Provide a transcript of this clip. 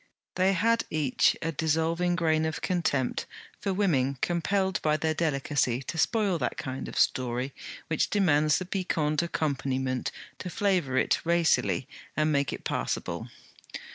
They had each a dissolving grain of contempt for women compelled by their delicacy to spoil that kind of story which demands the piquant accompaniment to flavour it racily and make it passable.